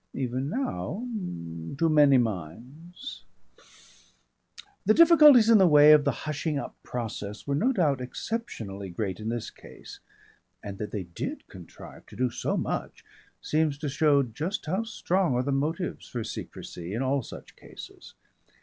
Even now to many minds The difficulties in the way of the hushing up process were no doubt exceptionally great in this case, and that they did contrive to do so much, seems to show just how strong are the motives for secrecy in all such cases.